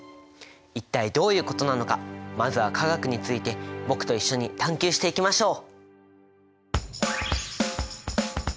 一体どういうことなのかまずは化学について僕と一緒に探究していきましょう！